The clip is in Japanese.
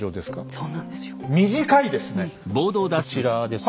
そうなんですよ。